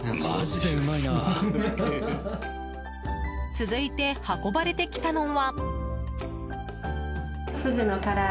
続いて運ばれてきたのは。